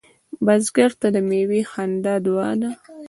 بزګر ته د میوې خندا دعا ده